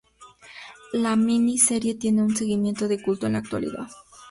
La mini- serie tiene un seguimiento de culto en la actualidad.